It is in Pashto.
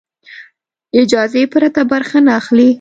اجازې پرته برخه نه اخلي.